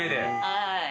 はい。